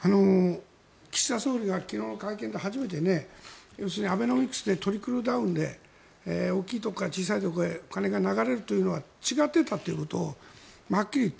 岸田総理が昨日の会見で初めて要するにアベノミクスでトリクルダウンで大きいところから小さいところへ金が流れるということは違っていたということをはっきり言った。